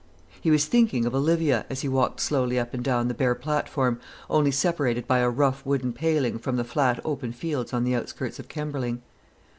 He was thinking of Olivia as he walked slowly up and down the bare platform, only separated by a rough wooden paling from the flat open fields on the outskirts of Kemberling.